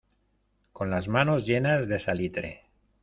con las manos llenas de salitre.